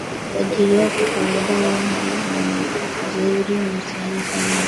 kuajiriwa Kwa kawaida uhalifu wenye jeuri unahusiana sana na